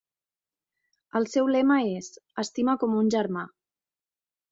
El seu lema és "Estima com un germà".